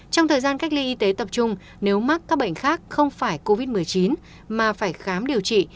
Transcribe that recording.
trong thời gian cách ly y tế tập trung nếu mắc các bệnh khác không phải covid một mươi chín mà phải khám điều trị